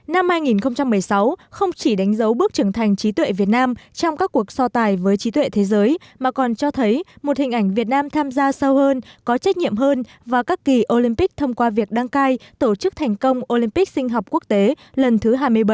năm hai nghìn một mươi sáu không chỉ đánh dấu bước trưởng thành trí tuệ việt nam trong các cuộc so tài với trí tuệ thế giới mà còn cho thấy một hình ảnh việt nam tham gia sâu hơn có trách nhiệm hơn vào các kỳ olympic thông qua việc đăng cai tổ chức thành công olympic sinh học quốc tế lần thứ hai mươi bảy